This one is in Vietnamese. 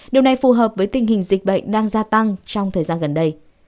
điều này phù hợp với tình hình dịch bệnh đang gia tăng trong thời gian gần đây